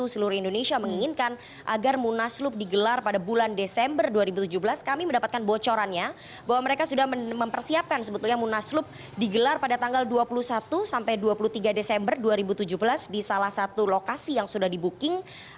seluruh indonesia menginginkan agar munaslup digelar pada bulan desember dua ribu tujuh belas kami mendapatkan bocorannya bahwa mereka sudah mempersiapkan sebetulnya munaslup digelar pada tanggal dua puluh satu sampai dua puluh tiga desember dua ribu tujuh belas di salah satu lokasi yang sudah di booking